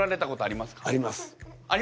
ありますか！？